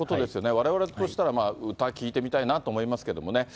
われわれとしたら、歌聴いてみたいなと思いますけどもね。